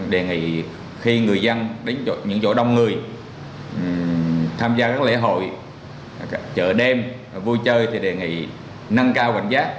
đề nghị khi người dân đến những chỗ đông người tham gia các lễ hội chợ đêm vui chơi thì đề nghị nâng cao cảnh giác